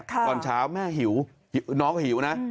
ตอนเช้าแม่หิวน้องหิวนะ